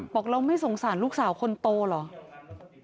บอกเราไม่สงสารลูกสาวคนโตเหรอ